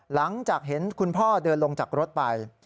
หลังจากเห็นคุณพ่อเดินลงจากรถไป